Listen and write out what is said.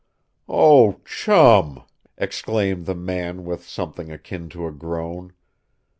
"Oh, CHUM!" exclaimed the man with something akin to a groan.